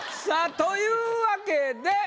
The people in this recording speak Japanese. さあというわけで。